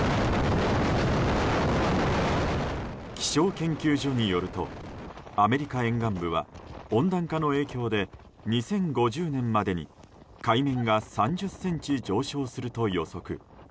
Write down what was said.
気象研究所によるとアメリカ沿岸部は温暖化の影響で２０５０年までに海面が３０ｃｍ上昇すると予測。